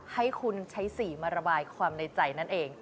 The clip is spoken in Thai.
ให้คุณใช้สีมาระบายความในใจนั่นเอง